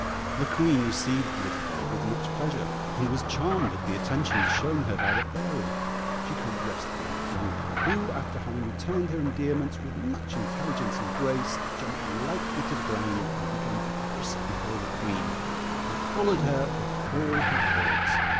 The Queen received the little dog with much pleasure, and was charmed at the attentions shown her by the Fairy. She caressed Blanc blanc, who, after having returned her endearments with much intelligence and grace, jumped lightly to the ground, and began to frisk before the Queen, who followed her with all her Court.